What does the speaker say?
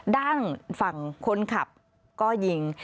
ด้านฝั่งคนขับก็ยิง